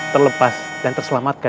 terlepas dan terselamatkan